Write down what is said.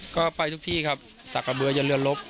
ความราชาสรุข